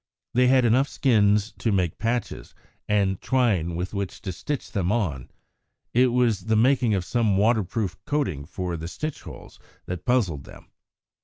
They had enough skins to make patches, and twine with which to stitch them on. It was the making of some waterproof coating for the stitch holes that puzzled them.